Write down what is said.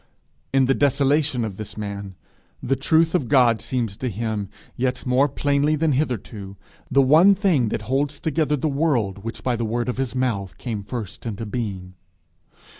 In the desolation of this man, the truth of God seems to him, yet more plainly than hitherto, the one thing that holds together the world which by the word of his mouth came first into being.